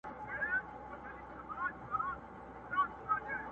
په میراث یې عقل وړی له خپل پلار وو٫